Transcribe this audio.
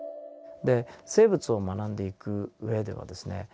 で生物を学んでいく上ではですね